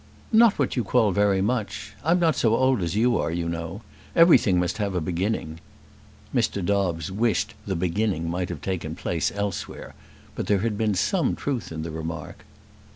"Not what you call very much. I'm not so old as you are, you know. Everything must have a beginning." Mr. Dobbes wished "the beginning" might have taken place elsewhere; but there had been some truth in the remark.